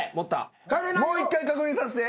もう一回確認させて。